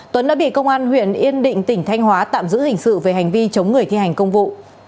tuấn đã bị công an huyện yên định tỉnh thanh hóa tạm giữ hình sự về hành vi chống người thi hành công vụ